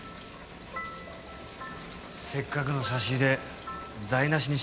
せっかくの差し入れ台無しにしてすまなかったな。